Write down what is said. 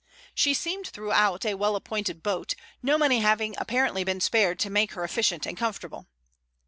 She seemed throughout a well appointed boat, no money having apparently been spared to make her efficient and comfortable.